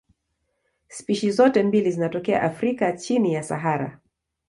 Spishi zote mbili zinatokea Afrika chini ya Sahara.